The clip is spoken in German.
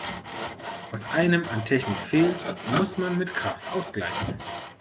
Was einem an Technik fehlt, muss man mit Kraft ausgleichen.